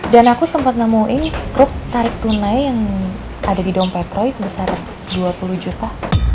dan aku sempat nemuin struk tarik tunai yang ada di dompet roy sebesar dua puluh juta